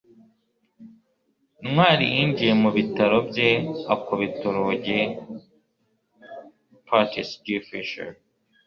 ntwali yinjiye mu biro bye akubita urugi patgfisher